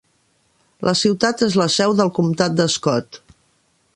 La ciutat és la seu del comtat de Scott.